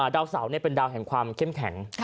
ดาวเสาเป็นดาวแห่งความเข้มแข็ง